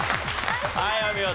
はいお見事。